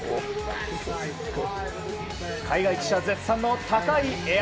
海外記者絶賛の高いエア。